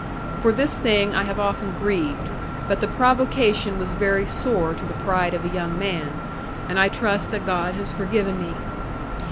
For this thing I have often grieved; but the provocation was very sore to the pride of a young man; and I trust that God has forgiven me.